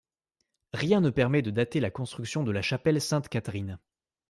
Rien ne permet de dater la construction de la chapelle Sainte-Catherine.